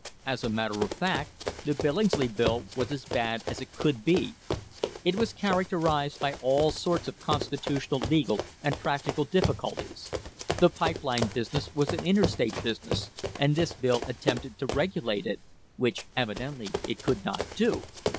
As a matter of fact the Billingsley Bill was as bad as it could be. It was characterised by all sorts of constitu tional, legal and practical difficulties. The pipe line business was an interstate business, and this bill attempted to regu late it which evidently it could not do.